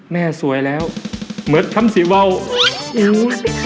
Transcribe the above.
แม่สวยแล้วเหมือนช้ำสีวาว